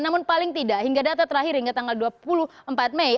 namun paling tidak hingga data terakhir hingga tanggal dua puluh empat mei